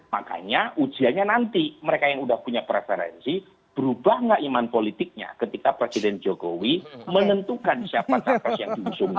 makanya ujiannya nanti mereka yang sudah punya preferensi berubah gak iman politiknya ketika presiden jokowi menentukan siapa capres yang diusung